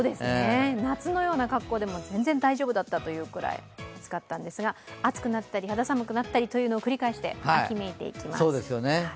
夏のような格好でも全然大丈夫だったというくらい暑かったんですが暑くなったり肌寒くなったりというのを繰り返して秋めいていきます。